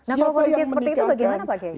nah kalau kondisi seperti itu bagaimana pak kiai